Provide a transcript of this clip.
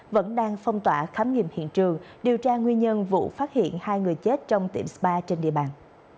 vẫn đang phong tỏa khám nghiệm hiện trường điều tra nguyên nhân vụ phát hiện hai người chết trong tiệm spa trên địa bàn